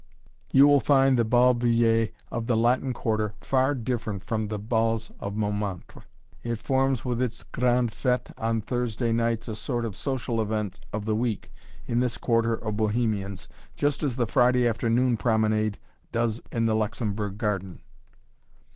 You will find the "Bal Bullier" of the Latin Quarter far different from the "bals" of Montmartre. It forms, with its "grand fête" on Thursday nights, a sort of social event of the week in this Quarter of Bohemians, just as the Friday afternoon promenade does in the Luxembourg garden.